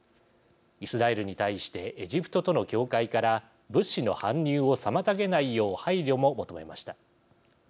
イスラエルに対してエジプトとの境界から物資の搬入を妨げないよう配慮も求めました。